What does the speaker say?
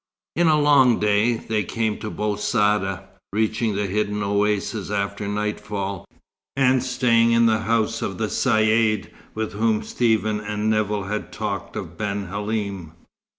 In a long day, they came to Bou Saada, reaching the hidden oasis after nightfall, and staying in the house of the Caïd with whom Stephen and Nevill had talked of Ben Halim.